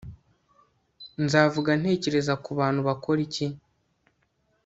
Nzavuga ntekereza ku bantu Bakora iki